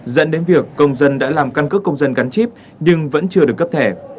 dẫn đến việc công dân đã làm căn cước công dân gắn chip nhưng vẫn chưa được cấp thẻ